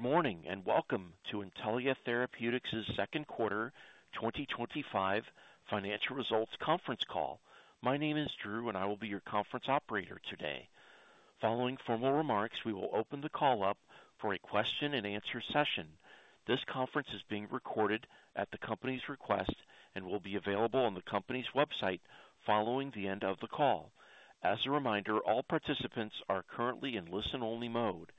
Good morning and welcome to Intellia Therapeutics' Second Quarter 2025 Financial Results Conference Call. My name is Drew, and I will be your conference operator today. Following formal remarks, we will open the call up for a question-and-answer session. This conference is being recorded at the company's request and will be available on the company's website following the end of the call. As a reminder, all participants are currently in listen-only mode.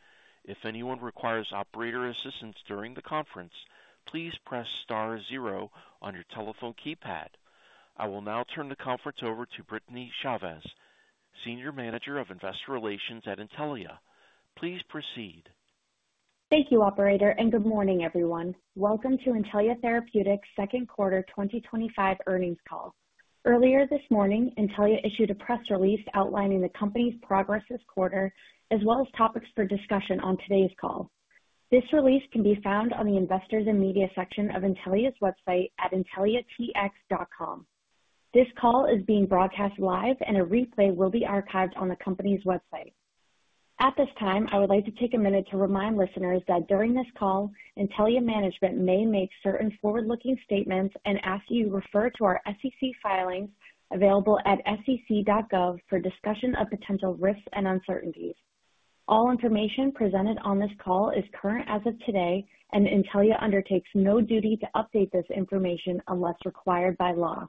If anyone requires operator assistance during the conference, please press star zero on your telephone keypad. I will now turn the conference over to Brittany Chaves, Senior Manager of Investor Relations at Intellia. Please proceed. Thank you, operator, and good morning, everyone. Welcome to Intellia Therapeutics' Second Quarter 2025 Earnings Call. Earlier this morning, Intellia issued a press release outlining the company's progress this quarter, as well as topics for discussion on today's call. This release can be found on the investors and media section of Intellia's website at intelliatx.com. This call is being broadcast live, and a replay will be archived on the company's website. At this time, I would like to take a minute to remind listeners that during this call, Intellia management may make certain forward-looking statements and ask you to refer to our SEC filings available at sec.gov for discussion of potential risks and uncertainties. All information presented on this call is current as of today, and Intellia undertakes no duty to update this information unless required by law.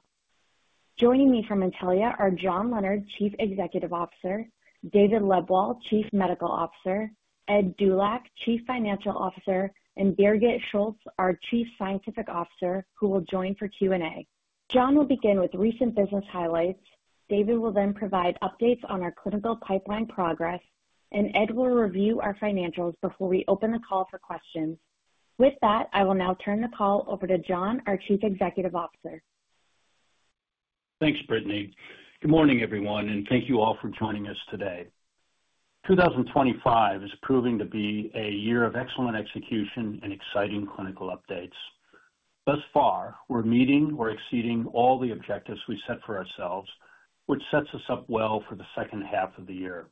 Joining me from Intellia are John Leonard, Chief Executive Officer; David Lebwohl, Chief Medical Officer; Ed Dulac, Chief Financial Officer; and Birgit Schultes, our Chief Scientific Officer, who will join for Q&A. John will begin with recent business highlights. David will then provide updates on our clinical pipeline progress, and Ed will review our financials before we open the call for questions. With that, I will now turn the call over to John, our Chief Executive Officer. Thanks, Brittany. Good morning, everyone, and thank you all for joining us today. 2025 is proving to be a year of excellent execution and exciting clinical updates. Thus far, we're meeting or exceeding all the objectives we set for ourselves, which sets us up well for the second half of the year.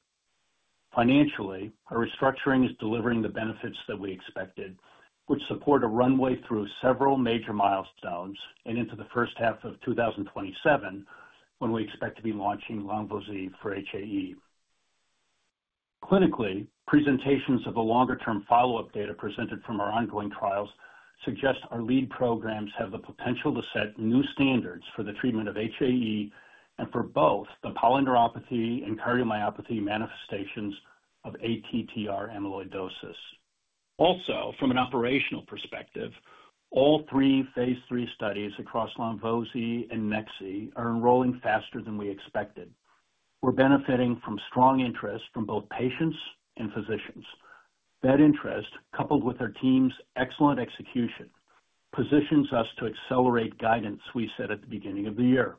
Financially, a restructuring is delivering the benefits that we expected, which support a runway through several major milestones and into the first half of 2027, when we expect to be launching lonvo-z for HAE. Clinically, presentations of the longer-term follow-up data presented from our ongoing trials suggest our lead programs have the potential to set new standards for the treatment of HAE and for both the polyneuropathy and cardiomyopathy manifestations of ATTR amyloidosis. Also, from an operational perspective, all three phase III studies across lonvo-z and nex-z are enrolling faster than we expected. We're benefiting from strong interest from both patients and physicians. That interest, coupled with our team's excellent execution, positions us to accelerate guidance we set at the beginning of the year.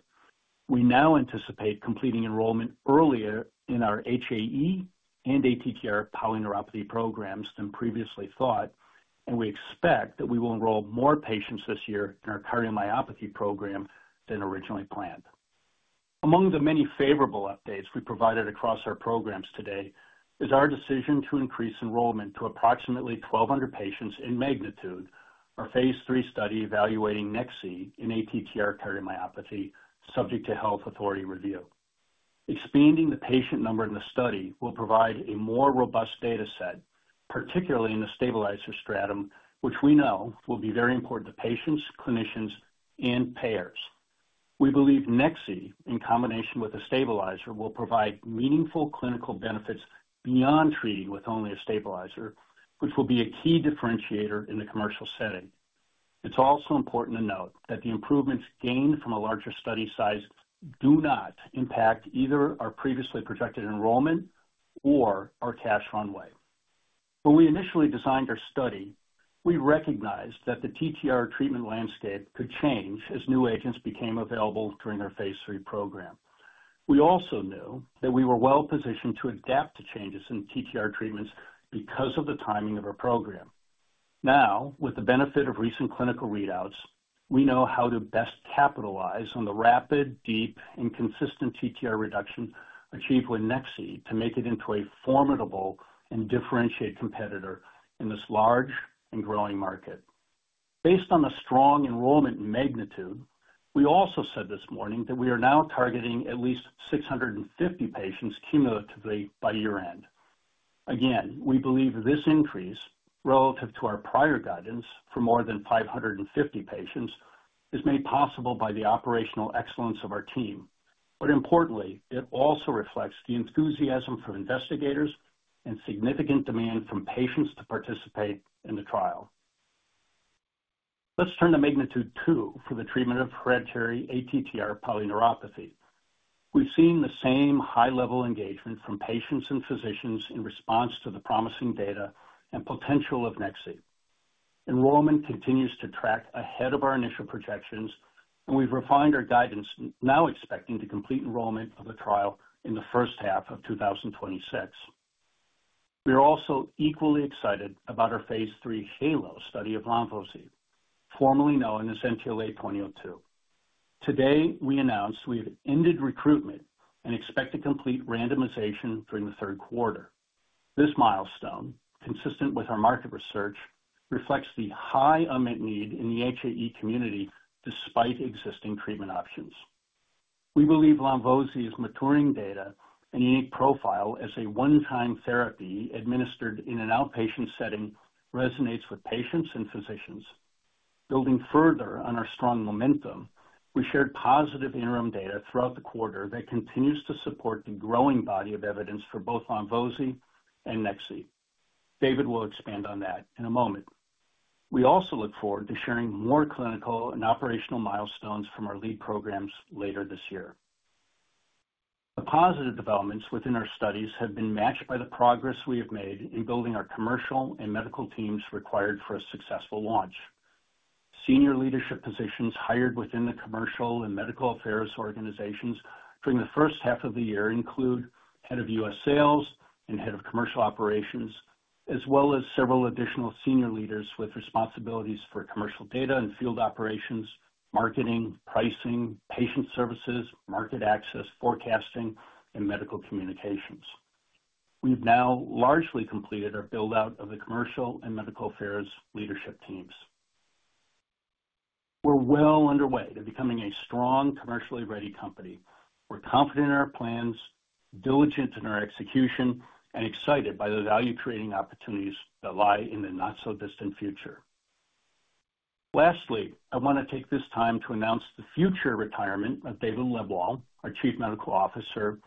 We now anticipate completing enrollment earlier in our HAE and ATTR polyneuropathy programs than previously thought, and we expect that we will enroll more patients this year in our cardiomyopathy program than originally planned. Among the many favorable updates we provided across our programs today is our decision to increase enrollment to approximately 1,200 patients in magnitude, our phase III study evaluating nex-z in ATTR cardiomyopathy subject to health authority review. Expanding the patient number in the study will provide a more robust data set, particularly in the stabilizer stratum, which we know will be very important to patients, clinicians, and payers. We believe nex-z, in combination with a stabilizer, will provide meaningful clinical benefits beyond treating with only a stabilizer, which will be a key differentiator in the commercial setting. It's also important to note that the improvements gained from a larger study size do not impact either our previously projected enrollment or our cash runway. When we initially designed our study, we recognized that the TTR treatment landscape could change as new agents became available during their phase III program. We also knew that we were well positioned to adapt to changes in TTR treatments because of the timing of our program. Now, with the benefit of recent clinical readouts, we know how to best capitalize on the rapid, deep, and consistent TTR reduction achieved with nex-z to make it into a formidable and differentiated competitor in this large and growing market. Based on the strong enrollment in magnitude, we also said this morning that we are now targeting at least 650 patients cumulatively by year-end. We believe this increase relative to our prior guidance for more than 550 patients is made possible by the operational excellence of our team. Importantly, it also reflects the enthusiasm from investigators and significant demand from patients to participate in the trial. Let's turn to magnitude two for the treatment of hereditary ATTR polyneuropathy. We've seen the same high-level engagement from patients and physicians in response to the promising data and potential of nex-z. Enrollment continues to track ahead of our initial projections, and we've refined our guidance, now expecting to complete enrollment of the trial in the first half of 2026. We are also equally excited about our phase III HAELO study of lonvo-z, formerly known as NTLA-2002. Today, we announced we have ended recruitment and expect to complete randomization during the third quarter. This milestone, consistent with our market research, reflects the high unmet need in the HAE community despite existing treatment options. We believe lonvo-z's maturing data and unique profile as a one-time therapy administered in an outpatient setting resonates with patients and physicians. Building further on our strong momentum, we shared positive interim data throughout the quarter that continues to support the growing body of evidence for both lonvo-z and nex-z. David will expand on that in a moment. We also look forward to sharing more clinical and operational milestones from our lead programs later this year. The positive developments within our studies have been matched by the progress we have made in building our commercial and medical teams required for a successful launch. Senior leadership positions hired within the commercial and medical affairs organizations during the first half of the year include Head of U.S. Sales and Head of Commercial Operations, as well as several additional senior leaders with responsibilities for commercial data and field operations, marketing, pricing, patient services, market access, forecasting, and medical communications. We've now largely completed our build-out of the commercial and medical affairs leadership teams. We're well underway to becoming a strong, commercially ready company. We're confident in our plans, diligent in our execution, and excited by the value-creating opportunities that lie in the not-so-distant future. Lastly, I want to take this time to announce the future retirement of David Lebwohl, our Chief Medical Officer,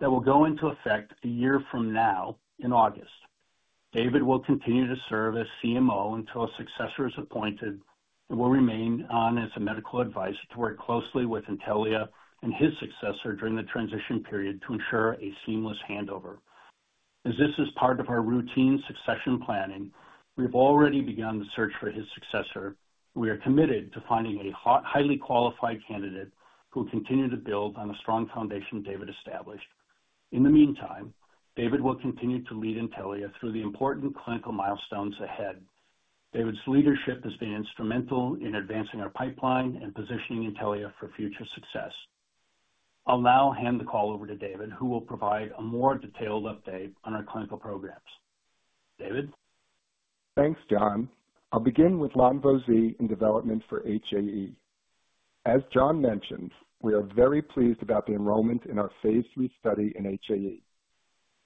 that will go into effect a year from now in August. David will continue to serve as CMO until a successor is appointed and will remain on as a medical advisor to work closely with Intellia and his successor during the transition period to ensure a seamless handover. As this is part of our routine succession planning, we've already begun the search for his successor. We are committed to finding a highly qualified candidate who will continue to build on the strong foundation David established. In the meantime, David will continue to lead Intellia through the important clinical milestones ahead. David's leadership has been instrumental in advancing our pipeline and positioning Intellia for future success. I'll now hand the call over to David, who will provide a more detailed update on our clinical programs. David? Thanks, John. I'll begin with lonvo-z and development for HAE. As John mentioned, we are very pleased about the enrollment in our phase III study in HAE.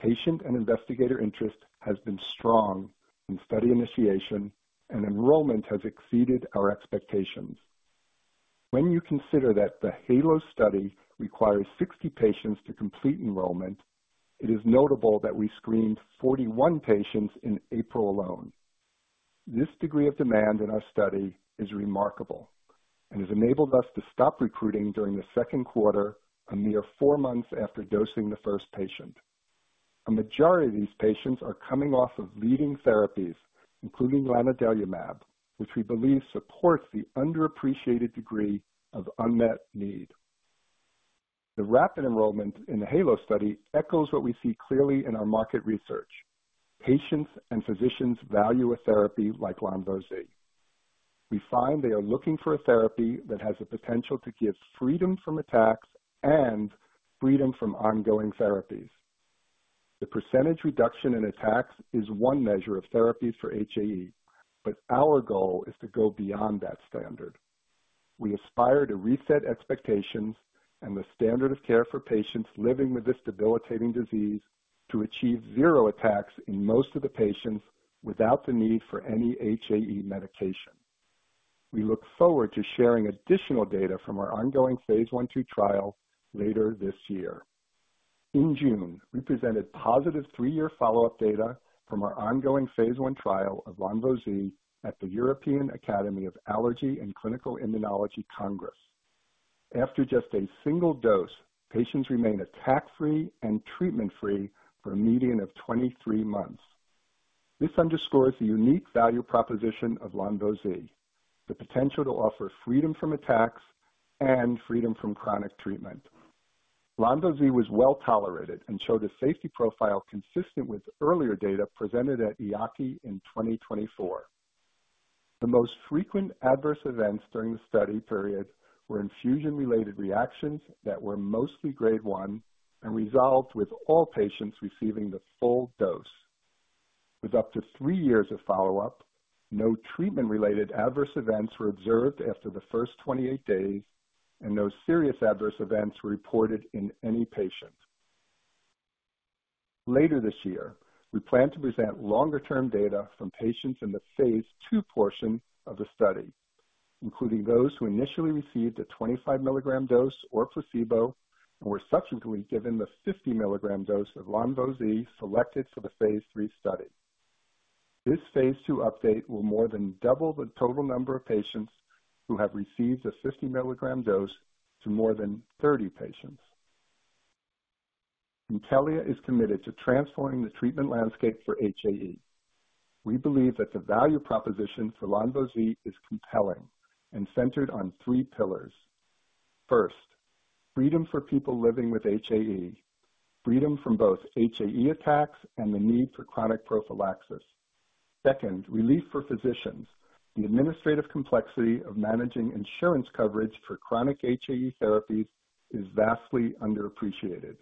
Patient and investigator interest has been strong in study initiation, and enrollment has exceeded our expectations. When you consider that the HAELO study requires 60 patients to complete enrollment, it is notable that we screened 41 patients in April alone. This degree of demand in our study is remarkable and has enabled us to stop recruiting during the second quarter, a mere four months after dosing the first patient. A majority of these patients are coming off of leading therapies, including lanadelumab, which we believe supports the underappreciated degree of unmet need. The rapid enrollment in the HAELO study echoes what we see clearly in our market research. Patients and physicians value a therapy like lonvo-z. We find they are looking for a therapy that has the potential to give freedom from attacks and freedom from ongoing therapies. The percentage reduction in attacks is one measure of therapies for HAE, but our goal is to go beyond that standard. We aspire to reset expectations and the standard of care for patients living with this debilitating disease to achieve zero attacks in most of the patients without the need for any HAE medication. We look forward to sharing additional data from our ongoing phase I/II trial later this year. In June, we presented positive three-year follow-up data from our ongoing phase I trial of lonvo-z at the European Academy of Allergy and Clinical Immunology Congress. After just a single dose, patients remain attack-free and treatment-free for a median of 23 months. This underscores the unique value proposition of lonvo-z, the potential to offer freedom from attacks and freedom from chronic treatment. lonvo-z was well tolerated and showed a safety profile consistent with earlier data presented at EAACI in 2024. The most frequent adverse events during the study period were infusion-related reactions that were mostly grade 1 and resolved with all patients receiving the full dose. With up to three years of follow-up, no treatment-related adverse events were observed after the first 28 days, and no serious adverse events were reported in any patient. Later this year, we plan to present longer-term data from patients in the phase II portion of the study, including those who initially received a 25 mg dose or placebo and were subsequently given the 50 mg dose of lonvo-z selected for the phase III study. This phase II update will more than double the total number of patients who have received the 50 mg dose to more than 30 patients. Intellia is committed to transforming the treatment landscape for HAE. We believe that the value proposition for lonvo-z is compelling and centered on three pillars. First, freedom for people living with HAE, freedom from both HAE attacks and the need for chronic prophylaxis. Second, relief for physicians. The administrative complexity of managing insurance coverage for chronic HAE therapies is vastly underappreciated.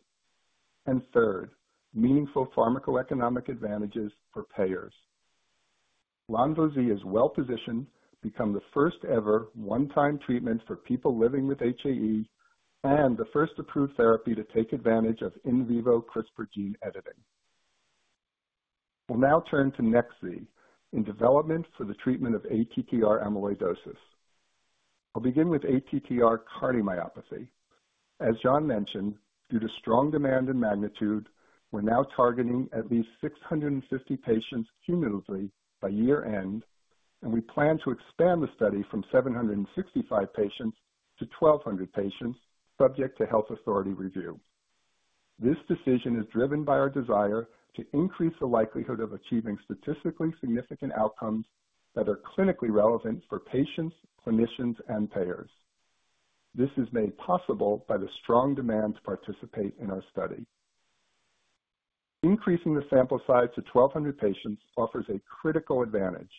Third, meaningful pharmacoeconomic advantages for payers. lonvo-z is well positioned to become the first ever one-time treatment for people living with HAE and the first approved therapy to take advantage of in vivo CRISPR gene editing. We'll now turn to nex-z in development for the treatment of ATTR amyloidosis. I'll begin with ATTR cardiomyopathy. As John mentioned, due to strong demand and magnitude, we're now targeting at least 650 patients cumulatively by year-end, and we plan to expand the study from 765 patients to 1,200 patients subject to health authority review. This decision is driven by our desire to increase the likelihood of achieving statistically significant outcomes that are clinically relevant for patients, clinicians, and payers. This is made possible by the strong demand to participate in our study. Increasing the sample size to 1,200 patients offers a critical advantage,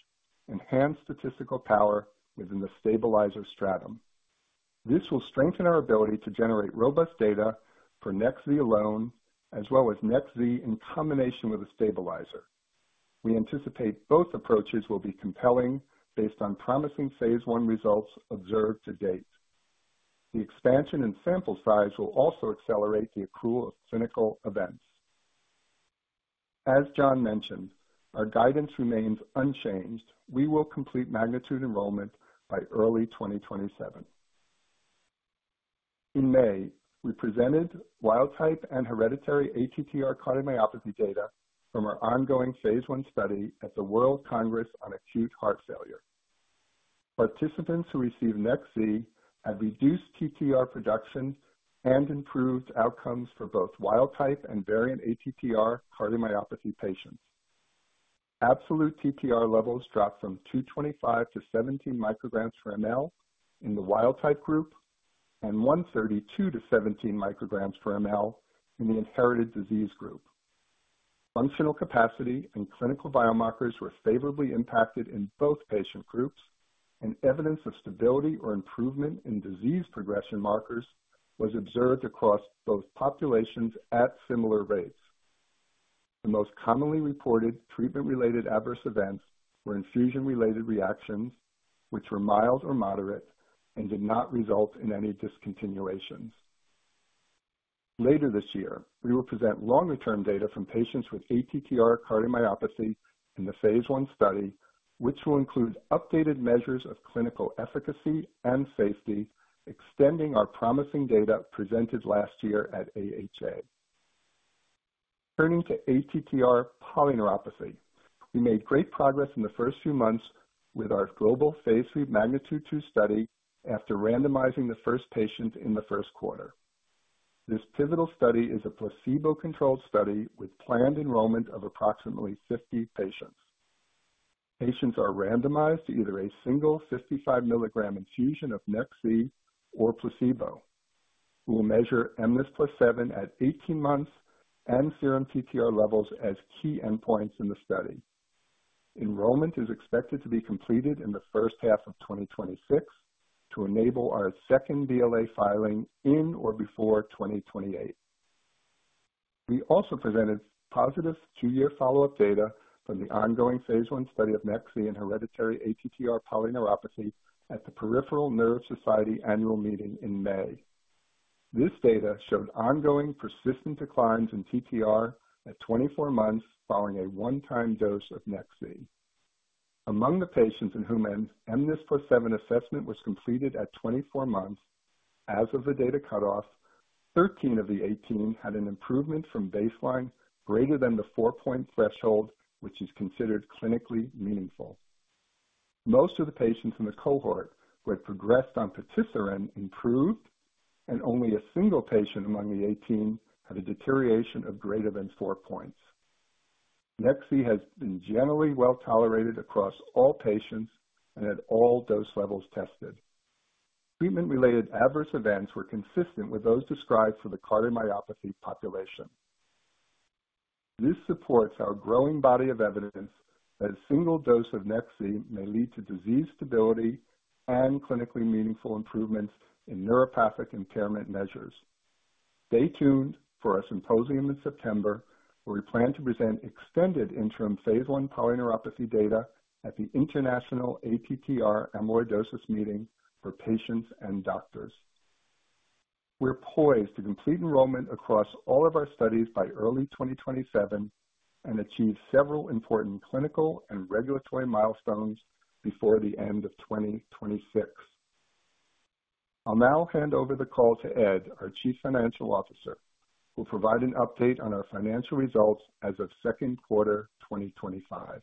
enhanced statistical power within the stabilizer stratum. This will strengthen our ability to generate robust data for nex-z alone, as well as nex-z in combination with a stabilizer. We anticipate both approaches will be compelling based on promising phase one results observed to date. The expansion in sample size will also accelerate the accrual of clinical events. As John mentioned, our guidance remains unchanged. We will complete magnitude enrollment by early 2027. In May, we presented wild type and hereditary ATTR cardiomyopathy data from our ongoing phase one study at the World Congress on Acute Heart Failure. Participants who received nex-z had reduced TTR production and improved outcomes for both wild-type and variant ATTR cardiomyopathy patients. Absolute TTR levels dropped from 225 mcg per mL to 17 mcg per mL in the wild type group and 132 mcg per mL to 17 mcg per mL in the inherited disease group. Functional capacity and clinical biomarkers were favorably impacted in both patient groups, and evidence of stability or improvement in disease progression markers was observed across both populations at similar rates. The most commonly reported treatment-related adverse events were infusion-related reactions, which were mild or moderate and did not result in any discontinuations. Later this year, we will present longer-term data from patients with ATTR cardiomyopathy in the phase one study, which will include updated measures of clinical efficacy and safety, extending our promising data presented last year at AHA. Turning to ATTR polyneuropathy, we made great progress in the first few months with our global phase three magnitude two study after randomizing the first patients in the first quarter. This pivotal study is a placebo-controlled study with planned enrollment of approximately 50 patients. Patients are randomized to either a single 55 mg infusion of nex-z or placebo. We will measure mNIS+7 at 18 months and serum TTR levels as key endpoints in the study. Enrollment is expected to be completed in the first half of 2026 to enable our second VLA filing in or before 2028. We also presented positive two-year follow-up data from the ongoing phase I study of nex-z in hereditary ATTR polyneuropathy at the Peripheral Nerve Society annual meeting in May. This data showed ongoing persistent declines in TTR at 24 months following a one-time dose of nex-z. Among the patients in whom mNIS+7 assessment was completed at 24 months, as of the data cutoff, 13 months of the 18 months had an improvement from baseline greater than the four-point threshold, which is considered clinically meaningful. Most of the patients in the cohort who had progressed on patisiran improved, and only a single patient among the 18 months had a deterioration of greater than four points. nex-z has been generally well tolerated across all patients and at all dose levels tested. Treatment-related adverse events were consistent with those described for the cardiomyopathy population. This supports our growing body of evidence that a single dose of nex-z may lead to disease stability and clinically meaningful improvements in neuropathic impairment measures. Stay tuned for our symposium in September, where we plan to present extended interim phase I polyneuropathy data at the International ATTR Amyloidosis Meeting for patients and doctors. We're poised to complete enrollment across all of our studies by early 2027 and achieve several important clinical and regulatory milestones before the end of 2026. I'll now hand over the call to Ed, our Chief Financial Officer, who will provide an update on our financial results as of second quarter 2025.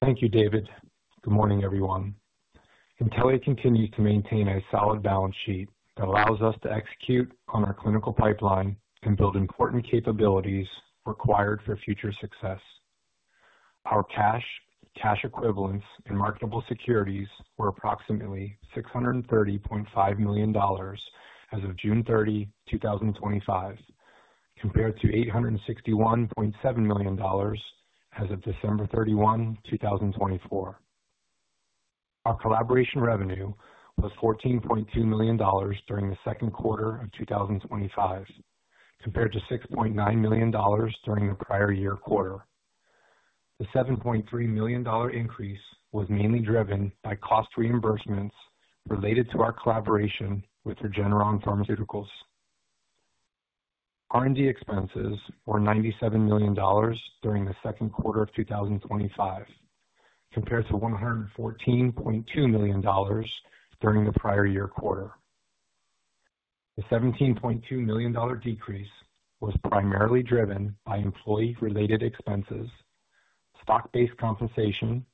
Thank you, David. Good morning, everyone. Intellia continues to maintain a solid balance sheet that allows us to execute on our clinical pipeline and build important capabilities required for future success. Our cash, cash equivalents, and marketable securities were approximately $630.5 million as of June 30, 2025, compared to $861.7 million as of December 31, 2024. Our collaboration revenue was $14.2 million during the second quarter of 2025, compared to $6.9 million during the prior year quarter. The $7.3 million increase was mainly driven by cost reimbursements related to our collaboration with Regeneron Pharmaceuticals. R&D expenses were $97 million during the second quarter of 2025, compared to $114.2 million during the prior year quarter. The $17.2 million decrease was primarily driven by employee-related expenses, stock-based compensation,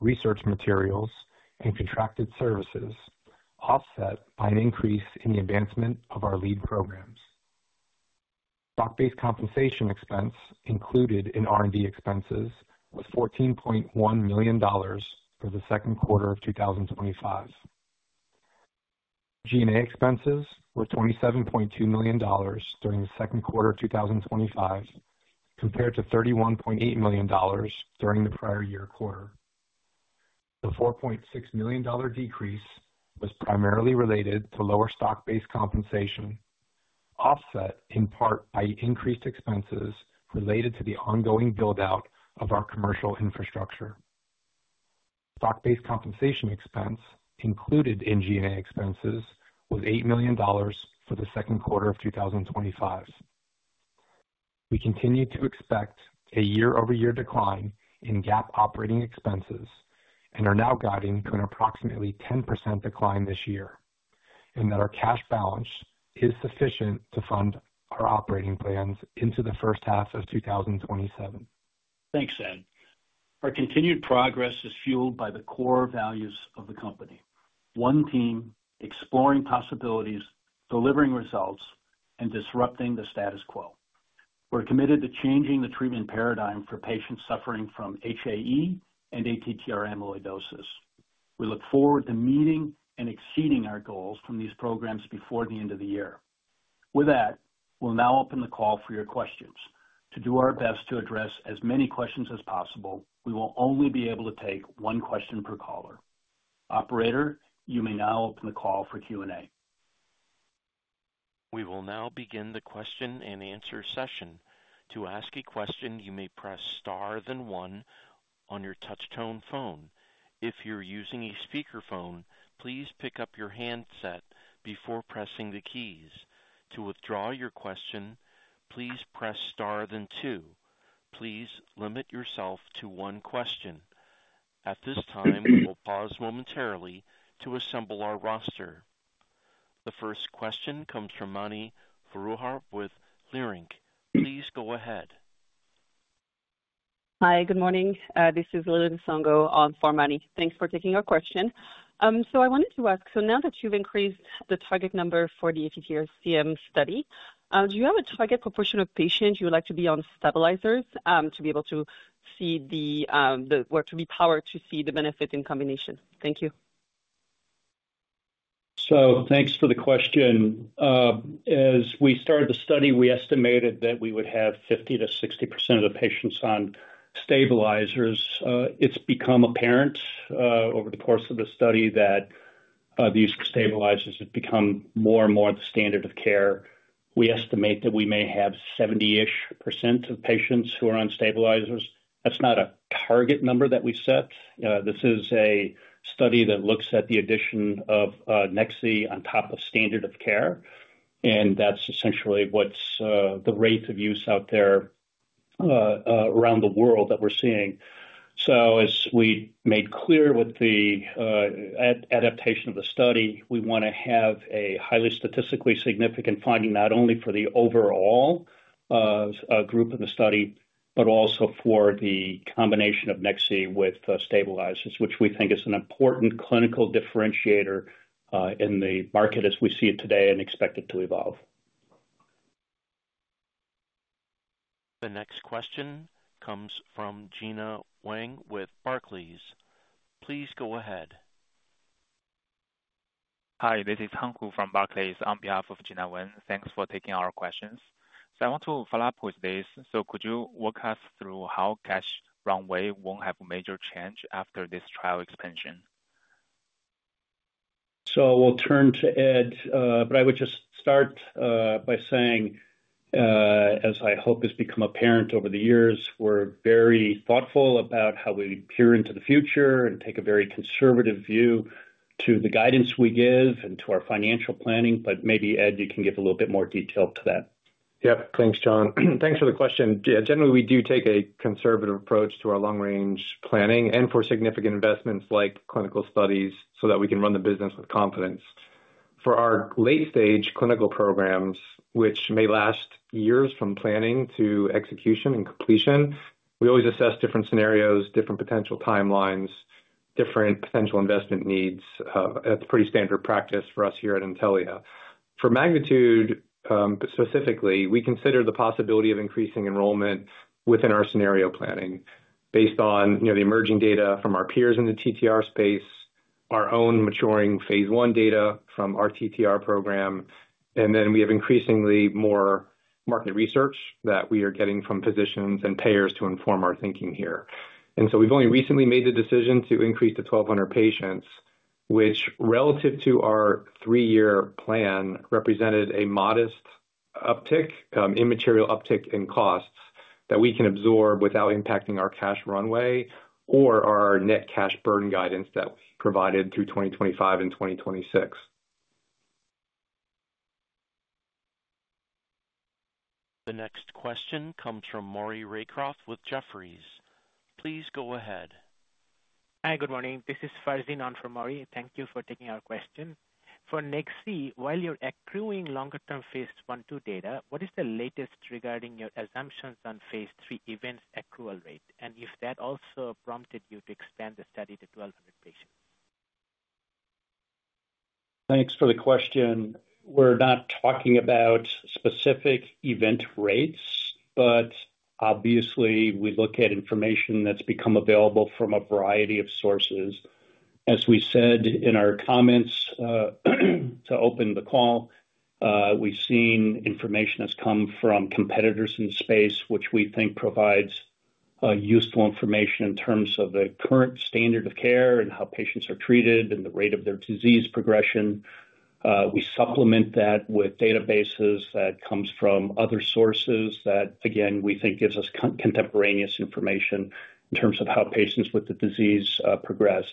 research materials, and contracted services, offset by an increase in the advancement of our lead programs. Stock-based compensation expense included in R&D expenses was $14.1 million for the second quarter of 2025. G&A expenses were $27.2 million during the second quarter of 2025, compared to $31.8 million during the prior year quarter. The $4.6 million decrease was primarily related to lower stock-based compensation, offset in part by increased expenses related to the ongoing build-out of our commercial infrastructure. Stock-based compensation expense included in G&A expenses was $8 million for the second quarter of 2025. We continue to expect a year-over-year decline in GAAP operating expenses and are now guiding to an approximately 10% decline this year, and that our cash balance is sufficient to fund our operating plans into the first half of 2027. Thanks, Ed. Our continued progress is fueled by the core values of the company: one team, exploring possibilities, delivering results, and disrupting the status quo. We're committed to changing the treatment paradigm for patients suffering from HAE and ATTR amyloidosis. We look forward to meeting and exceeding our goals from these programs before the end of the year. With that, we'll now open the call for your questions. To do our best to address as many questions as possible, we will only be able to take one question per caller. Operator, you may now open the call for Q&A. We will now begin the question and answer session. To ask a question, you may press star then one on your touch-tone phone. If you're using a speakerphone, please pick up your handset before pressing the keys. To withdraw your question, please press star then two. Please limit yourself to one question. At this time, we'll pause momentarily to assemble our roster. The first question comes from Mani Foroohar with Leerink. Please go ahead. Hi, good morning. This is Lili Nsongo on for Mani. Thanks for taking our question. Now that you've increased the target number for the ATTR CM study, do you have a target proportion of patients you would like to be on stabilizers to be able to see the, or to be powered to see the benefit in combination? Thank you. Thank you for the question. As we started the study, we estimated that we would have 50%-60% of the patients on stabilizers. It has become apparent over the course of the study that these stabilizers have become more and more the standard of care. We estimate that we may have 70% of patients who are on stabilizers. That's not a target number that we set. This is a study that looks at the addition of nex-z on top of standard of care, and that's essentially what's the rate of use out there around the world that we're seeing. As we made clear with the adaptation of the study, we want to have a highly statistically significant finding not only for the overall group in the study, but also for the combination of nex-z with stabilizers, which we think is an important clinical differentiator in the market as we see it today and expect it to evolve. The next question comes from Gena Wang with Barclays. Please go ahead. Hi, this is Hag Hu from Barclays on behalf of Gena Wang. Thanks for taking our questions. Could you walk us through how cash runway won't have a major change after this trial expansion? I will turn to Ed, but I would just start by saying, as I hope has become apparent over the years, we're very thoughtful about how we peer into the future and take a very conservative view to the guidance we give and to our financial planning. Maybe, Ed, you can give a little bit more detail to that. Yep, thanks, John. Thanks for the question. Yeah, generally, we do take a conservative approach to our long-range planning and for significant investments like clinical studies so that we can run the business with confidence. For our late-stage clinical programs, which may last years from planning to execution and completion, we always assess different scenarios, different potential timelines, different potential investment needs. That is pretty standard practice for us here at Intellia. For magnitude, specifically, we consider the possibility of increasing enrollment within our scenario planning based on the emerging data from our peers in the TTR space, our own maturing phase I data from our TTR program, and then we have increasingly more market research that we are getting from physicians and payers to inform our thinking here. We have only recently made the decision to increase to 1,200 patients, which relative to our three-year plan represented a modest uptick, immaterial uptick in costs that we can absorb without impacting our cash runway or our net cash burden guidance that we provided through 2025 and 2026. The next question comes from Maury Raycroft with Jefferies. Please go ahead. Hi, good morning. This is Farzin on for Maury. Thank you for taking our question. For nex-z, while you're accruing longer-term phase I/II data, what is the latest regarding your assumptions on phase III events accrual rate? If that also prompted you to expand the study to 1,200 patients? Thanks for the question. We're not talking about specific event rates, but obviously, we look at information that's become available from a variety of sources. As we said in our comments to open the call, we've seen information that's come from competitors in the space, which we think provides useful information in terms of the current standard of care and how patients are treated and the rate of their disease progression. We supplement that with databases that come from other sources that, again, we think gives us contemporaneous information in terms of how patients with the disease progress.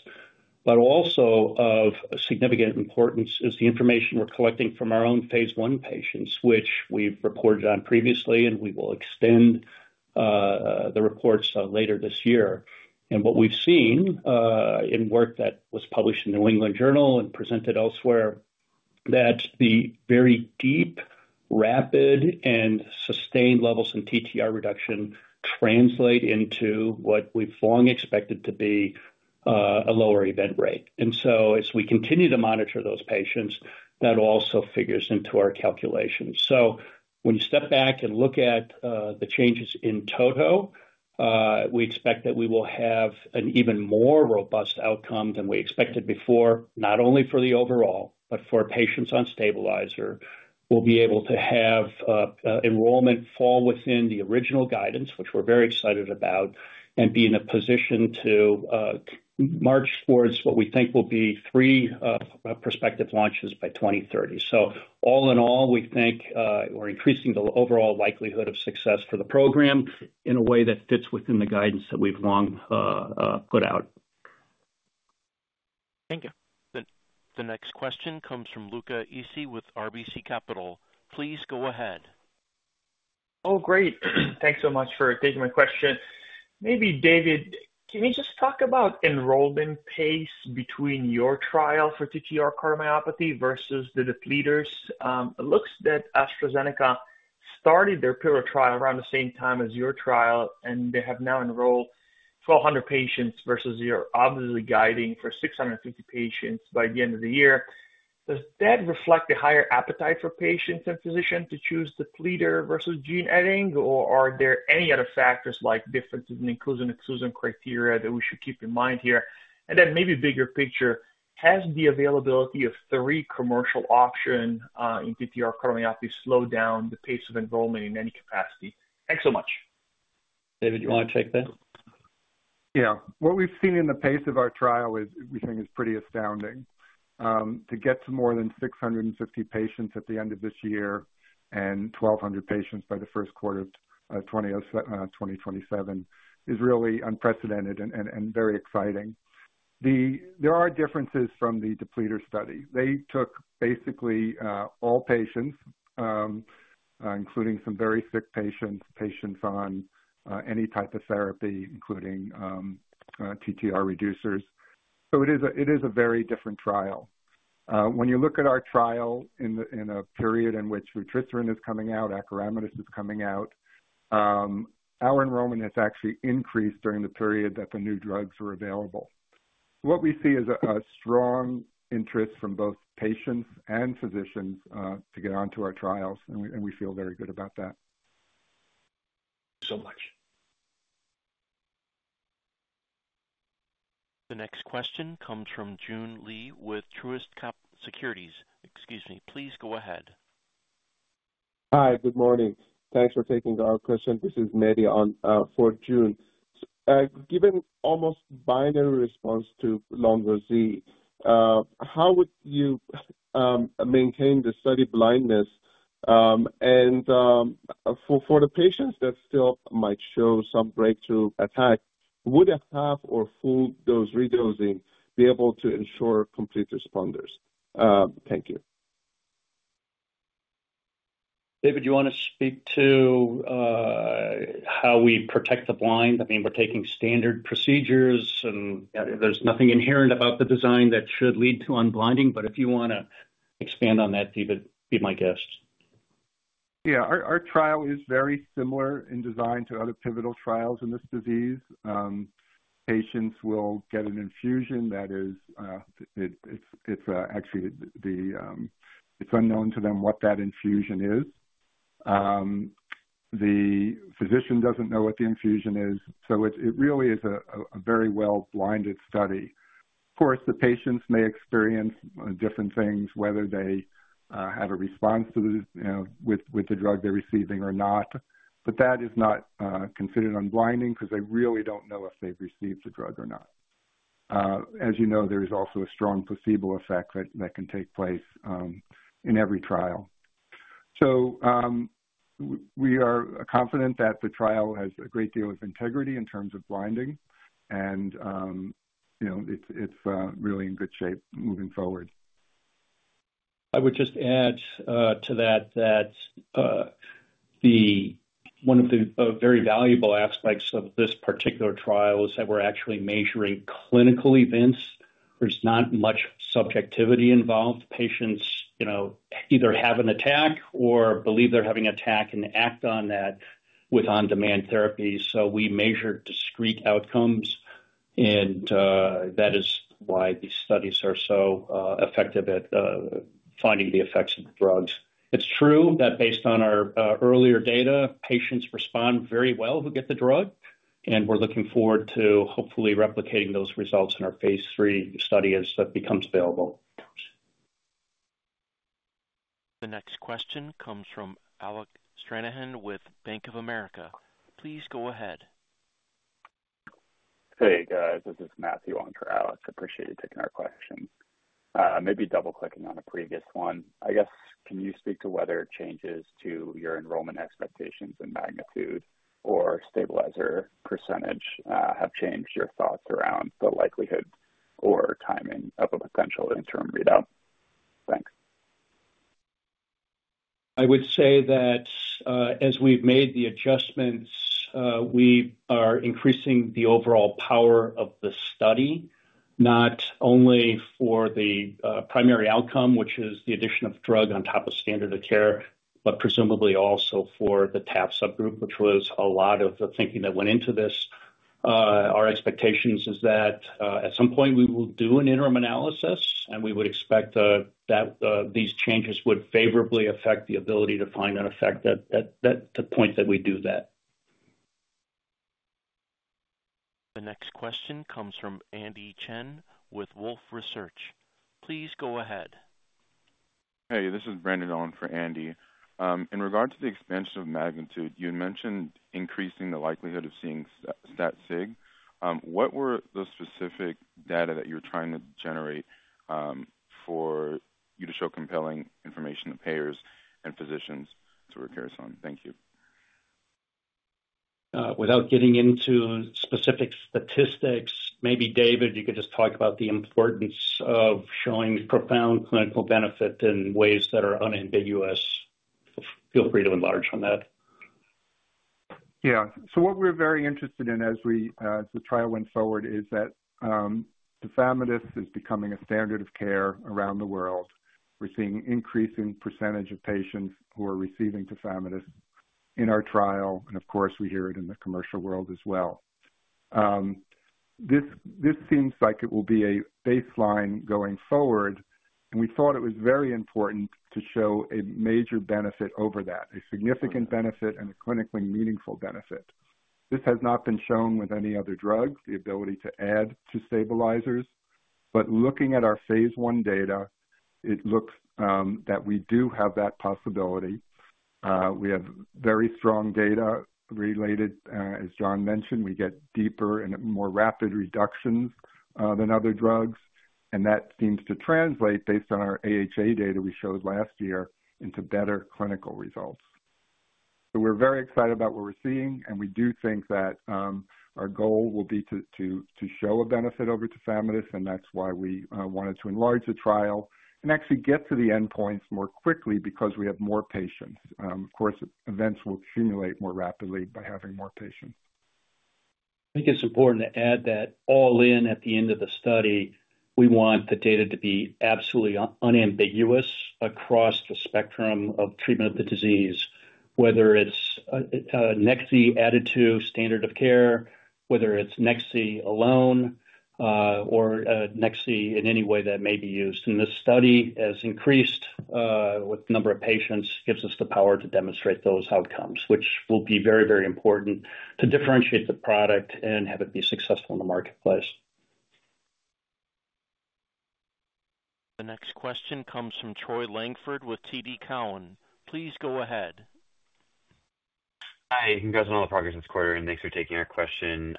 Also of significant importance is the information we're collecting from our own phase I patients, which we've reported on previously, and we will extend the reports later this year. What we've seen in work that was published in the New England Journal and presented elsewhere is that the very deep, rapid, and sustained levels in TTR reduction translate into what we've long expected to be a lower event rate. As we continue to monitor those patients, that also figures into our calculations. When you step back and look at the changes in toto, we expect that we will have an even more robust outcome than we expected before, not only for the overall, but for patients on stabilizer. We'll be able to have enrollment fall within the original guidance, which we're very excited about, and be in a position to march towards what we think will be three prospective launches by 2030. All in all, we think we're increasing the overall likelihood of success for the program in a way that fits within the guidance that we've long put out. Thank you. The next question comes from Luca Issi with RBC Capital. Please go ahead. Oh, great. Thanks so much for taking my question. Maybe, David, can you just talk about enrollment pace between your trial for ATTR cardiomyopathy versus the leaders? It looks that AstraZeneca started their Pillar trial around the same time as your trial, and they have now enrolled 1,200 patients versus you're obviously guiding for 650 patients by the end of the year. Does that reflect a higher appetite for patients and physicians to choose the leader versus gene editing, or are there any other factors like differences in inclusion and exclusion criteria that we should keep in mind here? Maybe a bigger picture, has the availability of three commercial options in ATTR cardiomyopathy slowed down the pace of enrollment in any capacity? Thanks so much. David, do you want to take that? Yeah. What we've seen in the pace of our trial is, we think, pretty astounding. To get to more than 650 patients at the end of this year and 1,200 patients by the first quarter of 2027 is really unprecedented and very exciting. There are differences from the depletor study. They took basically all patients, including some very sick patients, patients on any type of therapy, including TTR reducers. It is a very different trial. When you look at our trial in a period in which [flutamide] is coming out, acoramidis is coming out, our enrollment has actually increased during the period that the new drugs were available. What we see is a strong interest from both patients and physicians to get onto our trials, and we feel very good about that. So much. The next question comes from oon Lee with Truist Securities. Please go ahead. Hi, good morning. Thanks for taking the question. This is Mehdi on for Joon. Given almost binary response to lonvo-z, how would you maintain the study blindness? For the patients that still might show some breakthrough attack, would a half or full dose re-dosing be able to ensure complete responders? Thank you. David, do you want to speak to how we protect the blind? We're taking standard procedures, and there's nothing inherent about the design that should lead to unblinding. If you want to expand on that, David, be my guest. Yeah, our trial is very similar in design to other pivotal trials in this disease. Patients will get an infusion that is actually unknown to them what that infusion is. The physician doesn't know what the infusion is, so it really is a very well-blinded study. Of course, the patients may experience different things, whether they have a response to the drug they're receiving or not. That is not considered unblinding because they really don't know if they've received the drug or not. As you know, there is also a strong placebo effect that can take place in every trial. We are confident that the trial has a great deal of integrity in terms of blinding, and you know it's really in good shape moving forward. I would just add to that that one of the very valuable aspects of this particular trial is that we're actually measuring clinical events. There's not much subjectivity involved. Patients either have an attack or believe they're having an attack and act on that with on-demand therapy. We measure discrete outcomes, and that is why these studies are so effective at finding the effects of the drugs. It's true that based on our earlier data, patients respond very well who get the drug, and we're looking forward to hopefully replicating those results in our phase III study as that becomes available. The next question comes from Alec Stranahan with Bank of America. Please go ahead. Hey, guys, this is Matthew on for AleC. Appreciate you taking our question. Maybe double-clicking on the previous one. I guess, can you speak to whether changes to your enrollment expectations in magnitude or stabilizer percentage have changed your thoughts around the likelihood or timing of a potential interim readout? I would say that as we've made the adjustments, we are increasing the overall power of the study, not only for the primary outcome, which is the addition of drug on top of standard of care, but presumably also for the TAP subgroup, which was a lot of the thinking that went into this. Our expectation is that at some point we will do an interim analysis, and we would expect that these changes would favorably affect the ability to find an effect at the point that we do that. The next question comes from Andy Chen with Wolfe Research. Please go ahead. Hey, this is Brandon in for Andy. In regard to the expansion of magnitude, you mentioned increasing the likelihood of seeing that SIG. What were the specific data that you were trying to generate for you to show compelling information to payers and physicians? That's what we're curious on. Thank you. Without getting into specific statistics, maybe David, you could just talk about the importance of showing profound clinical benefit in ways that are unambiguous. Feel free to enlarge on that. Yeah. What we're very interested in as the trial went forward is that tafamidis is becoming a standard of care around the world. We're seeing an increasing percentage of patients who are receiving tafamidis in our trial, and of course, we hear it in the commercial world as well. This seems like it will be a baseline going forward, and we thought it was very important to show a major benefit over that, a significant benefit and a clinically meaningful benefit. This has not been shown with any other drug, the ability to add to stabilizers, but looking at our phase I data, it looks that we do have that possibility. We have very strong data related, as John mentioned, we get deeper and more rapid reductions than other drugs, and that seems to translate based on our AHA data we showed last year into better clinical results. We're very excited about what we're seeing, and we do think that our goal will be to show a benefit over tafamidis, and that's why we wanted to enlarge the trial and actually get to the endpoints more quickly because we have more patients. Of course, events will accumulate more rapidly by having more patients. I think it's important to add that all in at the end of the study, we want the data to be absolutely unambiguous across the spectrum of treatment of the disease, whether it's nex-z added to standard-of-care, whether it's nex-z alone, or nex-z in any way that may be used. This study has increased with the number of patients, gives us the power to demonstrate those outcomes, which will be very, very important to differentiate the product and have it be successful in the marketplace. The next question comes from Troy Langford with TD Cowen. Please go ahead. Hi, congrats on all the progress in this quarter, and thanks for taking our question.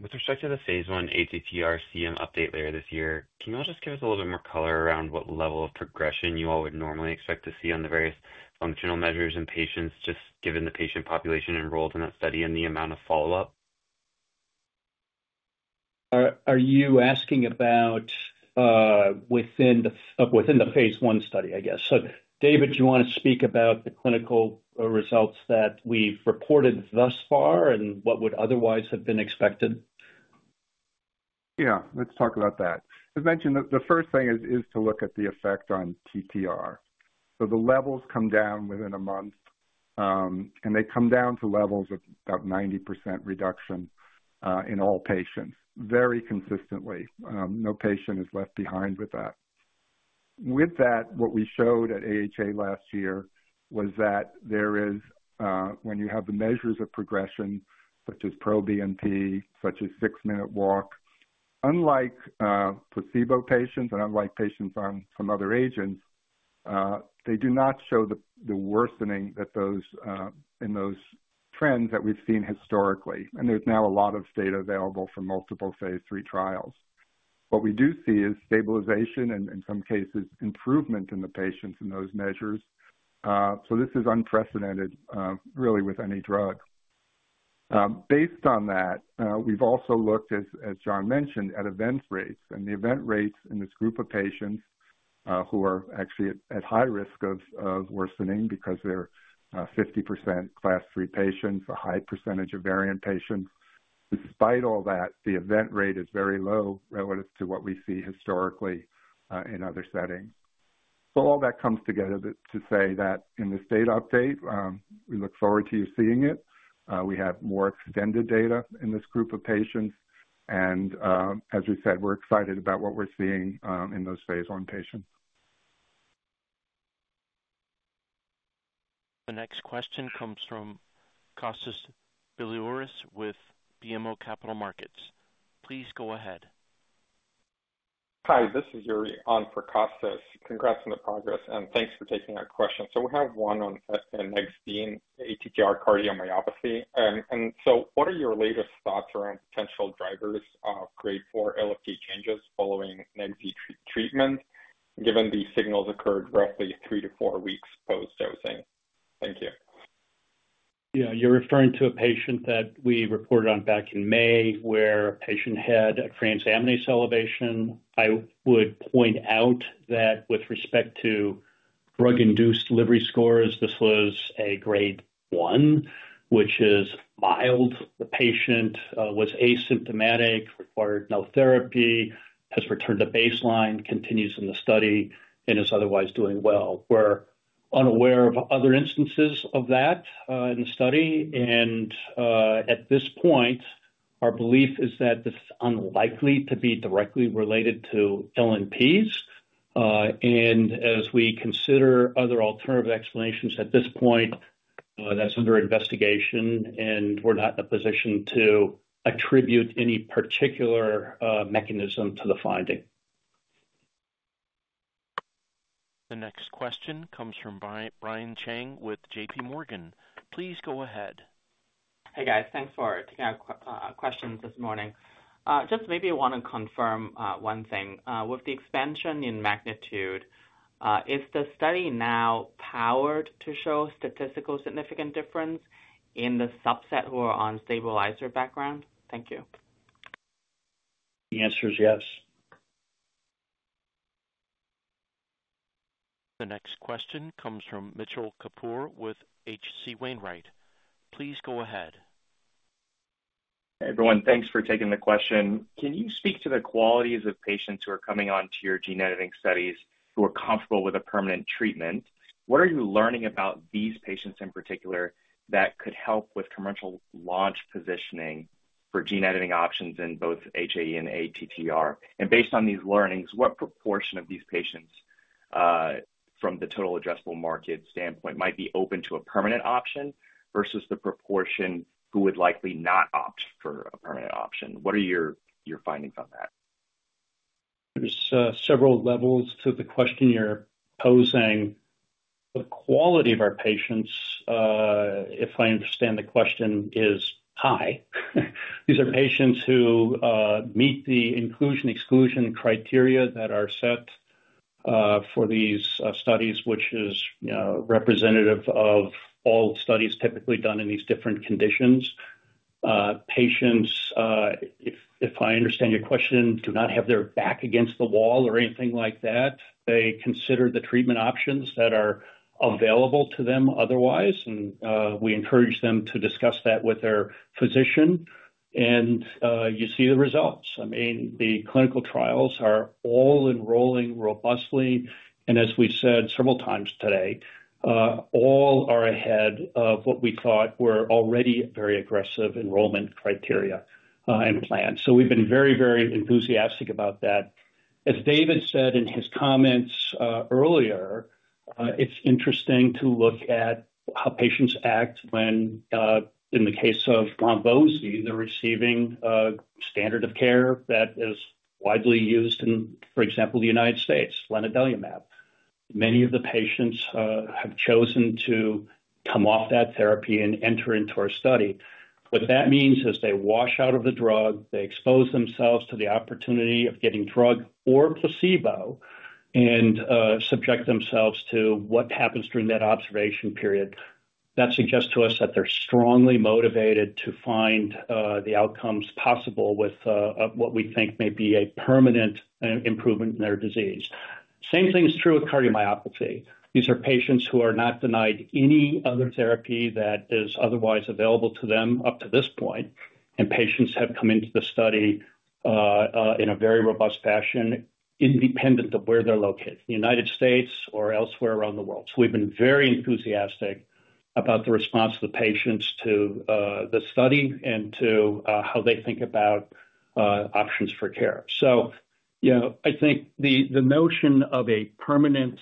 With respect to the phase I ATTR cardiomyopathy update later this year, can you all just give us a little bit more color around what level of progression you all would normally expect to see on the various functional measures in patients, just given the patient population enrolled in that study and the amount of follow-up? Are you asking about within the phase I study, I guess? David, do you want to speak about the clinical results that we've reported thus far and what would otherwise have been expected? Yeah, let's talk about that. As mentioned, the first thing is to look at the effect on TTR. The levels come down within a month, and they come down to levels of about 90% reduction in all patients very consistently. No patient is left behind with that. What we showed at AHA last year was that when you have the measures of progression, such as proBNP, such as six-minute walk, unlike placebo patients and unlike patients on some other agents, they do not show the worsening in those trends that we've seen historically. There is now a lot of data available for multiple phase III trials. What we do see is stabilization and, in some cases, improvement in the patients in those measures. This is unprecedented, really, with any drug. Based on that, we've also looked, as John mentioned, at event rates. The event rates in this group of patients who are actually at high risk of worsening because they're 50% Class III patients, a high percentage of variant patients. Despite all that, the event rate is very low relative to what we see historically in other settings. All that comes together to say that in this data update, we look forward to you seeing it. We have more extended data in this group of patients, and as we said, we're excited about what we're seeing in those phase I patients. The next question comes from Kostas Biliouris with BMO Capital Markets. Please go ahead. Hi, this is Yuriy on for Kostas. Congrats on the progress and thanks for taking our question. We have one on nex-z, ATTR cardiomyopathy. What are your latest thoughts around potential drivers of grade 4 LFT changes following nex-z treatment, given the signals occurred roughly three to four weeks post-dosing? Thank you. Yeah, you're referring to a patient that we reported on back in May where a patient had a transaminase elevation. I would point out that with respect to drug-induced liver scores, this was a grade one, which is mild. The patient was asymptomatic, required no therapy, has returned to baseline, continues in the study, and is otherwise doing well. We are unaware of other instances of that in the study. At this point, our belief is that this is unlikely to be directly related to LNPs. As we consider other alternative explanations at this point, that's under investigation, and we're not in a position to attribute any particular mechanism to the finding. The next question comes from Brian Cheng with JPMorgan. Please go ahead. Hey guys, thanks for taking our questions this morning. Just maybe I want to confirm one thing. With the expansion in magnitude, is the study now powered to show statistical significant difference in the subset who are on stabilizer background? Thank you. The answer is yes. The next question comes from Mitchell Kapoor with H.C. Wainwright. Please go ahead. Hey everyone, thanks for taking the question. Can you speak to the qualities of patients who are coming on to your gene editing studies who are comfortable with a permanent treatment? What are you learning about these patients in particular that could help with commercial launch positioning for gene editing options in both HAE and ATTR? Based on these learnings, what proportion of these patients from the total addressable market standpoint might be open to a permanent option versus the proportion who would likely not opt for a permanent option? What are your findings on that? are several levels to the question you're posing. The quality of our patients, if I understand the question, is high. These are patients who meet the inclusion exclusion criteria that are set for these studies, which is representative of all studies typically done in these different conditions. Patients, if I understand your question, do not have their back against the wall or anything like that. They consider the treatment options that are available to them otherwise, and we encourage them to discuss that with their physician, and you see the results. The clinical trials are all enrolling robustly, and as we've said several times today, all are ahead of what we thought were already very aggressive enrollment criteria and plans. We have been very, very enthusiastic about that. As David said in his comments earlier, it's interesting to look at how patients act when, in the case of lonvo-z, they're receiving a standard of care that is widely used in, for example, the United States, lanadelumab. Many of the patients have chosen to come off that therapy and enter into our study. What that means is they wash out of the drug, they expose themselves to the opportunity of getting drug or placebo and subject themselves to what happens during that observation period. That suggests to us that they're strongly motivated to find the outcomes possible with what we think may be a permanent improvement in their disease. The same thing is true with cardiomyopathy. These are patients who are not denied any other therapy that is otherwise available to them up to this point, and patients have come into the study in a very robust fashion, independent of where they're located, in the United States or elsewhere around the world. We have been very enthusiastic about the response of the patients to the study and to how they think about options for care. I think the notion of a permanent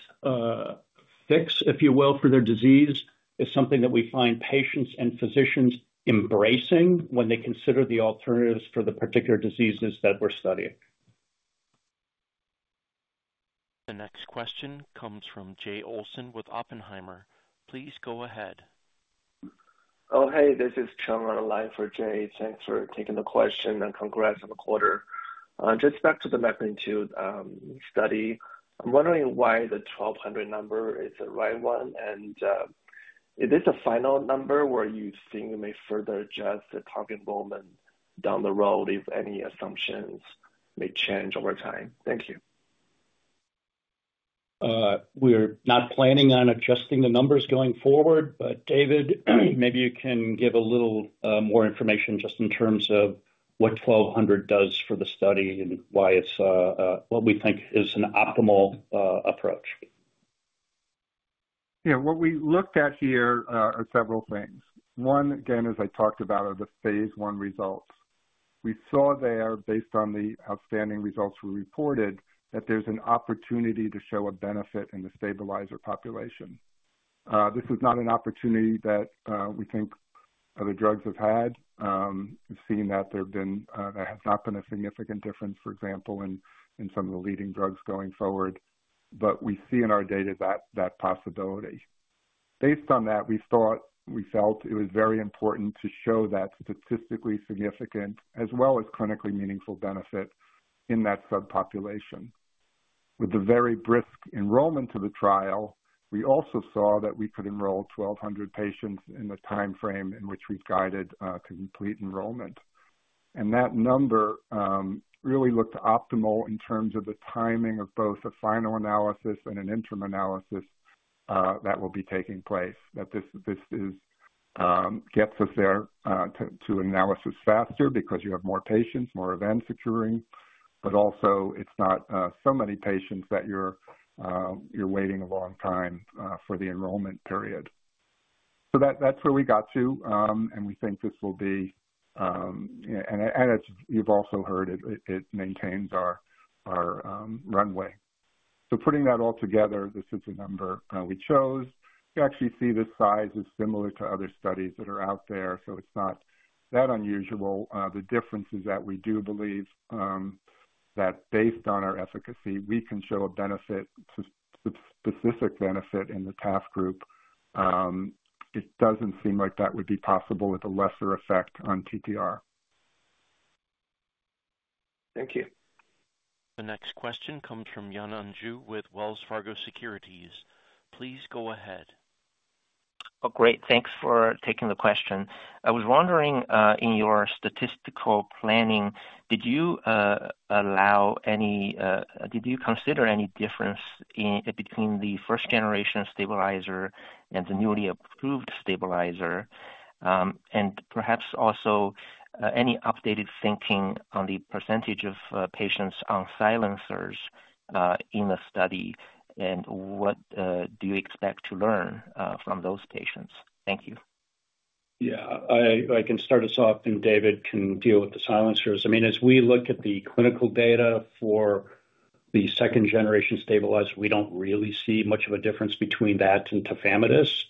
fix, if you will, for their disease is something that we find patients and physicians embracing when they consider the alternatives for the particular diseases that we're studying. The next question comes from Jay Olson with Oppenheimer. Please go ahead. Oh, hey, this is Cheng on the line for Jay. Thanks for taking the question and congrats on the quarter. Just back to the MAGNITUDE study, I'm wondering why the 1,200 number is the right one, and is this a final number where you think we may further adjust the target enrollment down the road if any assumptions may change over time? Thank you. We're not planning on adjusting the numbers going forward. David, maybe you can give a little more information just in terms of what 1,200 does for the study and why it's what we think is an optimal approach. What we looked at here are several things. One, again, as I talked about, are the phase I results. We saw there, based on the outstanding results we reported, that there's an opportunity to show a benefit in the stabilizer population. This is not an opportunity that we think other drugs have had. We've seen that there have not been a significant difference, for example, in some of the leading drugs going forward, but we see in our data that possibility. Based on that, we thought it was very important to show that statistically significant, as well as clinically meaningful benefit in that subpopulation. With the very brisk enrollment to the trial, we also saw that we could enroll 1,200 patients in the timeframe in which we've guided complete enrollment. That number really looked optimal in terms of the timing of both a final analysis and an interim analysis that will be taking place, that this gets us there to analysis faster because you have more patients, more events occurring, but also it's not so many patients that you're waiting a long time for the enrollment period. That's where we got to, and we think this will be, and as you've also heard, it maintains our runway. Putting that all together, this is the number we chose. You actually see this size is similar to other studies that are out there, so it's not that unusual. The difference is that we do believe that based on our efficacy, we can show a benefit, a specific benefit in the TAP group. It doesn't seem like that would be possible with a lesser effect on TTR. Thank you. The next question comes from Yanan Zhu with Wells Fargo Securities. Please go ahead. Great, thanks for taking the question. I was wondering, in your statistical planning, did you allow any, did you consider any difference between the first-generation stabilizer and the newly approved stabilizer? Perhaps also any updated thinking on the percentage of patients on silencers in the study, and what do you expect to learn from those patients? Thank you. Yeah, I can start us off, and David can deal with the silencers. I mean, as we look at the clinical data for the second-generation stabilizer, we don't really see much of a difference between that and tafamidis,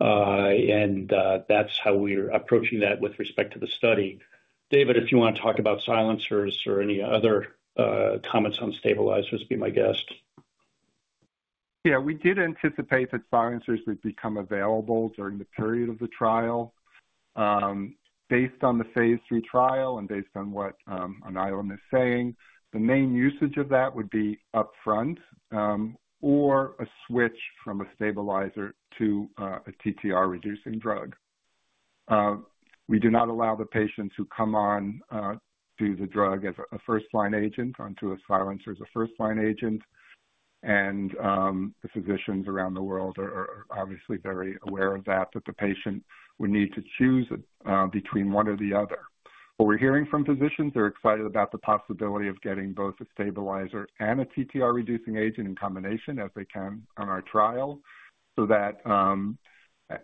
and that's how we're approaching that with respect to the study. David, if you want to talk about silencers or any other comments on stabilizers, be my guest. Yeah, we did anticipate that silencers would become available during the period of the trial. Based on the phase III trial and based on what Alnylam is saying, the main usage of that would be upfront or a switch from a stabilizer to a TTR reducing drug. We do not allow the patients who come on to the drug as a first-line agent onto a silencer as a first-line agent, and the physicians around the world are obviously very aware of that, that the patient would need to choose between one or the other. What we're hearing from physicians, they're excited about the possibility of getting both a stabilizer and a TTR reducing agent in combination as they can on our trial.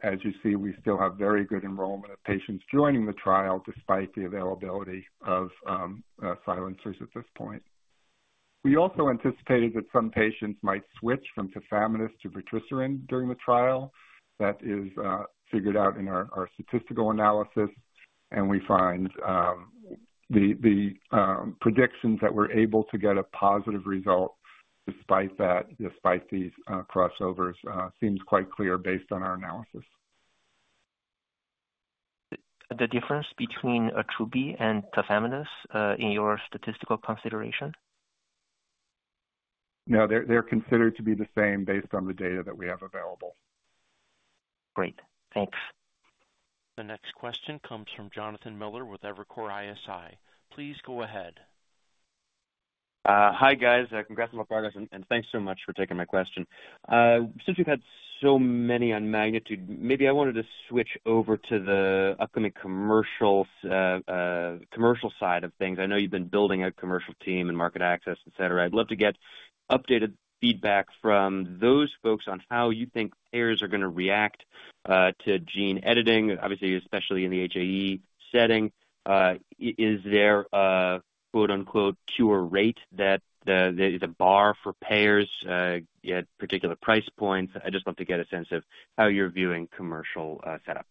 As you see, we still have very good enrollment of patients joining the trial despite the availability of silencers at this point. We also anticipated that some patients might switch from diflunisal to tafamidis during the trial. That is figured out in our statistical analysis, and we find the predictions that we're able to get a positive result despite that, despite these crossovers, seems quite clear based on our analysis. The difference between [ATTR] and tafamidis in your statistical consideration? No, they're considered to be the same based on the data that we have available. Great. Thanks. The next question comes from Jonathan Miller with Evercore ISI. Please go ahead. Hi guys, congrats on the progress, and thanks so much for taking my question. Since we've had so many on magnitude, maybe I wanted to switch over to the upcoming commercial side of things. I know you've been building a commercial team and market access, et cetera. I'd love to get updated feedback from those folks on how you think payers are going to react to gene editing, obviously, especially in the HAE setting. Is there a "cure rate" that is a bar for payers at particular price points? I'd just love to get a sense of how you're viewing commercial setup.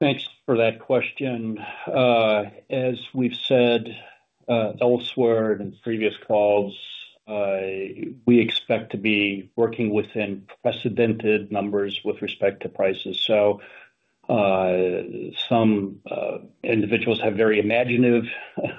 Thanks for that question. As we've said elsewhere and in previous calls, we expect to be working within precedented numbers with respect to prices. Some individuals have very imaginative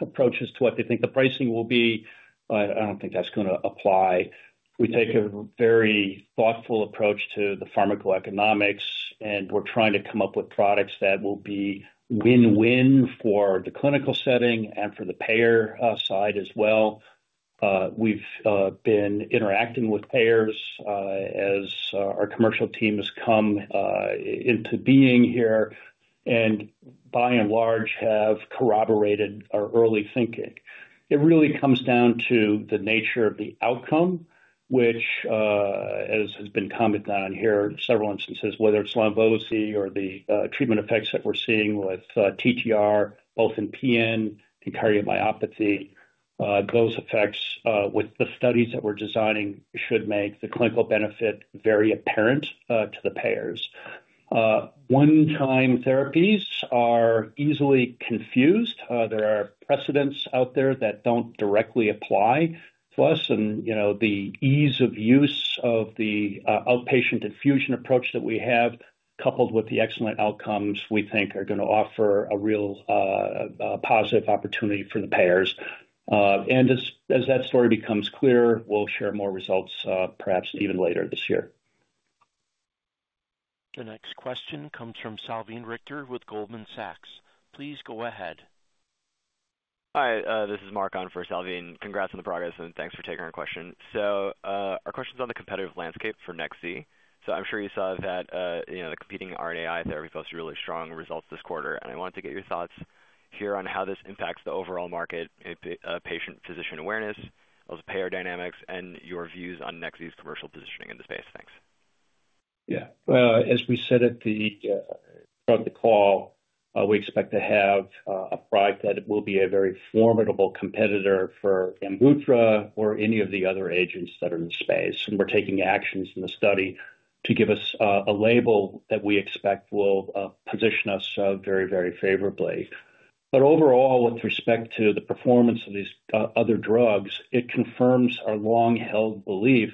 approaches to what they think the pricing will be. I don't think that's going to apply. We take a very thoughtful approach to the pharmacoeconomics, and we're trying to come up with products that will be win-win for the clinical setting and for the payer side as well. We've been interacting with payers as our commercial teams come into being here and, by and large, have corroborated our early thinking. It really comes down to the nature of the outcome, which, as has been commented on here in several instances, whether it's lonvo-z or the treatment effects that we're seeing with TTR, both in PN and cardiomyopathy, those effects with the studies that we're designing should make the clinical benefit very apparent to the payers. One-time therapies are easily confused. There are precedents out there that don't directly apply to us, and the ease of use of the outpatient infusion approach that we have, coupled with the excellent outcomes we think are going to offer a real positive opportunity for the payers. As that story becomes clear, we'll share more results perhaps even later this year. The next question comes from Salveen Richter with Goldman Sachs. Please go ahead. Hi, this is Mark on for Salveen. Congrats on the progress, and thanks for taking our question. Our question's on the competitive landscape for nex-z. I'm sure you saw that the competing RNAi therapy posted really strong results this quarter, and I wanted to get your thoughts here on how this impacts the overall market patient-physician awareness, also payer dynamics, and your views on nex-z's commercial positioning in the space. Thanks. Yeah, as we said at the call, we expect to have a product that will be a very formidable competitor for Imbutryl or any of the other agents that are in the space. We are taking actions in the study to give us a label that we expect will position us very, very favorably. Overall, with respect to the performance of these other drugs, it confirms our long-held belief,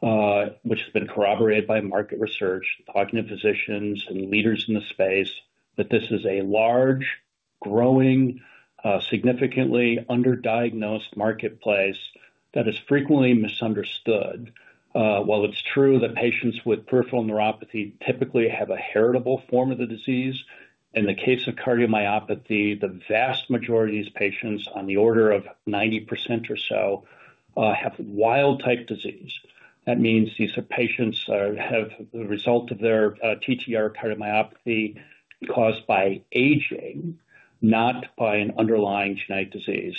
which has been corroborated by market research, cognitive physicians, and leaders in the space, that this is a large, growing, significantly underdiagnosed marketplace that is frequently misunderstood. While it's true that patients with peripheral neuropathy typically have a heritable form of the disease, in the case of cardiomyopathy, the vast majority of these patients, on the order of 90% or so, have wild-type disease. That means these patients have the result of their TTR cardiomyopathy caused by aging, not by an underlying genetic disease.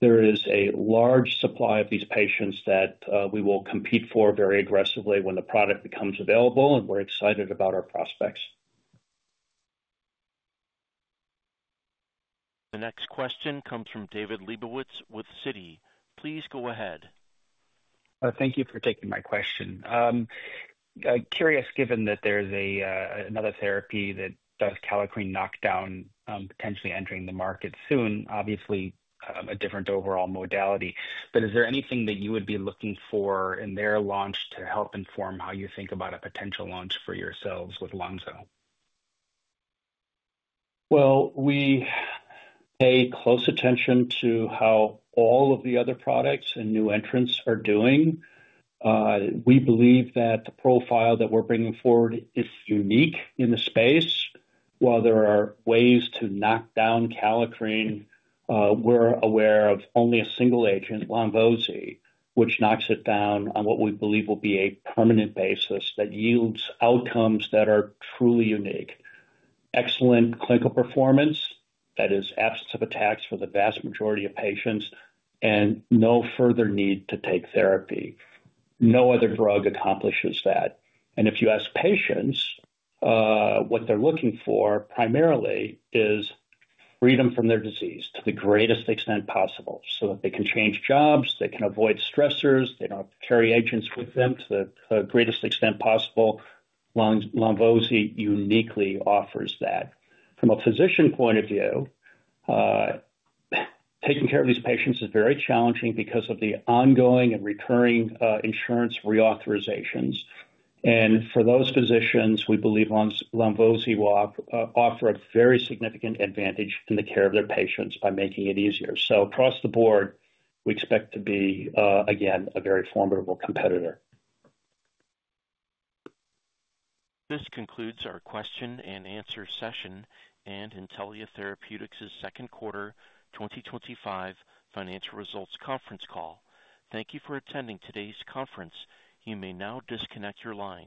There is a large supply of these patients that we will compete for very aggressively when the product becomes available, and we're excited about our prospects. The next question comes from David Lebowitz with Citi. Please go ahead. Thank you for taking my question. Curious, given that there's another therapy that does kallikrein knockdown, potentially entering the market soon, obviously a different overall modality, but is there anything that you would be looking for in their launch to help inform how you think about a potential launch for yourselves with lonvo-z? We pay close attention to how all of the other products and new entrants are doing. We believe that the profile that we're bringing forward is unique in the space. While there are ways to knock down kallikrein, we're aware of only a single agent, lonvo-z, which knocks it down on what we believe will be a permanent basis that yields outcomes that are truly unique. Excellent clinical performance, that is, absence of attacks for the vast majority of patients, and no further need to take therapy. No other drug accomplishes that. If you ask patients, what they're looking for primarily is freedom from their disease to the greatest extent possible so that they can change jobs, they can avoid stressors, they don't have to carry agents with them to the greatest extent possible. lonvo-z uniquely offers that. From a physician point of view, taking care of these patients is very challenging because of the ongoing and recurring insurance reauthorizations. For those physicians, we believe lonvo-z will offer a very significant advantage in the care of their patients by making it easier. Across the board, we expect to be, again, a very formidable competitor. This concludes our question and answer session and Intellia Therapeutics' second quarter 2025 financial results conference call. Thank you for attending today's conference. You may now disconnect your line.